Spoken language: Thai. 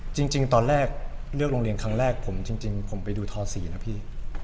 จริงตอนแรกเลือกโรงเรียนครั้งแรกผมจริงผมไปดูท๔นะพี่